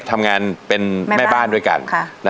ทำงานเป็นแม่บ้านด้วยกัน